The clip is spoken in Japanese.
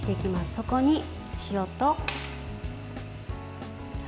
そこに塩と油。